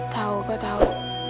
tau kau tau